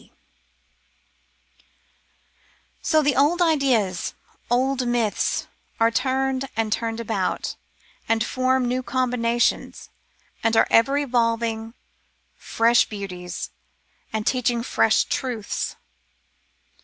B. So the old ideas, old myths, are turned and turned about, and form new combinations, and are ever evolving fresh beauties, and teaching fresh truths.